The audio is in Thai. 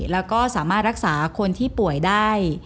แล้วก็สามารถรักษาคนที่ป่วยได้